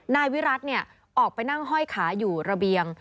นายวิรัติออกไปนั่งห้อยขาอยู่ระเบียง